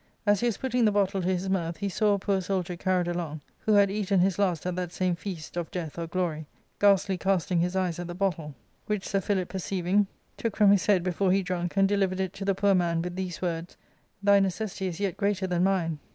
As he was putting the bottle to his mouth, he saw a poor soldier carjied along, "who had eaten his last at that same feast (of death or glory), ghastly casting his eyes at the bottle ; which Sir Philip perceiving, took from his Introductory and Biographical Essay. xv head before he drunk, and delivered it to the poor man with these words, *Thy necessity is yet greater than mine.'"